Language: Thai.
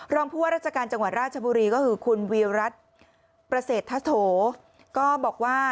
รองผู้ว่าราชการจังหวัดราชบุรีก็คือคุณวีรัฐประเศรษฐโถก็บอกว่า